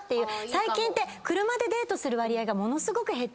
最近って車でデートする割合がものすごく減っちゃったので。